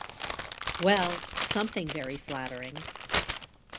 Well, something very flattering.